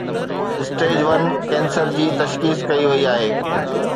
Stage one cancer جي تشخيص ڪئي وئي آهي.